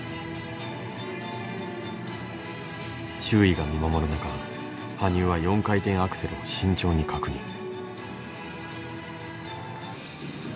周囲が見守る中羽生は４回転アクセルを慎重に確認。